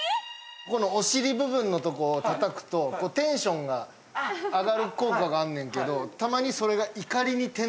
このお尻部分のところを叩くとテンションが上がる効果があんねんけど。